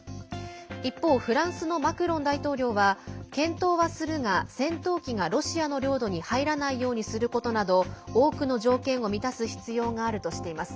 一方、フランスのマクロン大統領は、検討はするが戦闘機がロシアの領土に入らないようにすることなど多くの条件を満たす必要があるとしています。